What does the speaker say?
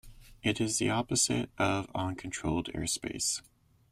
It is the opposite of uncontrolled airspace.